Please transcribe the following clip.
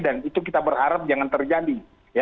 dan itu kita berharap jangan terjadi